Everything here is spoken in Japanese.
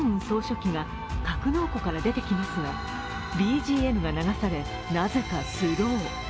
総書記が格納庫から出てきますが、ＢＧＭが流されなぜかスロー。